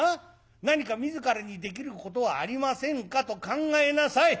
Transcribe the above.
何か自らにできることはありませんかと考えなさい。